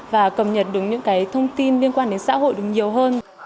và cầm nhật được những thông tin liên quan đến xã hội được nhiều hơn